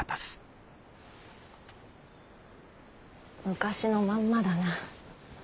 昔のまんまだな。